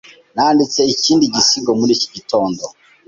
Nanditse ikindi gisigo muri iki gitondo.